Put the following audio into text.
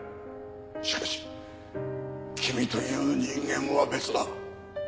しかし君という人間は別だ。